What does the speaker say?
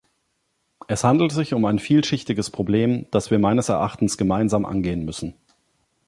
Es handelt sich um ein vielschichtiges Problem, das wir meines Erachtens gemeinsam angehen müssen.